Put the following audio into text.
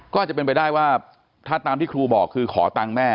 ก็อาจจะเป็นไปได้ว่าถ้าตามที่ครูบอกคือขอตังค์แม่